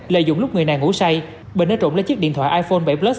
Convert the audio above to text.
lợi dụng lúc người này ngủ say bình đã trộn lên chiếc điện thoại iphone bảy plus